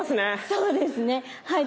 そうですねはい。